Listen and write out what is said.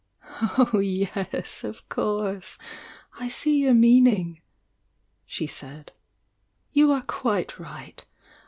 "Oh, yes! — of course! I see your meanmgi she said. "You are quite right!